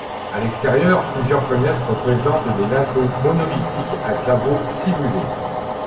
À l'extérieur, plusieurs fenêtres présentent des linteaux monolithiques à claveaux simulés.